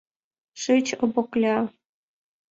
Шич, Обокля...